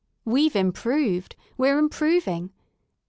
We've improved : we're improving.